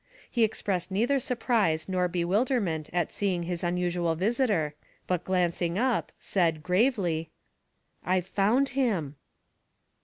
He expressed neither surprise nor bewilderment at seeing his unusual visitor, but glancing up, said, grave "I've found him."